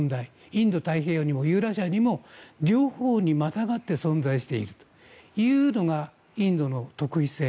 インド太平洋にもユーラシアにも両方にまたがって存在しているというのがインドの特異性。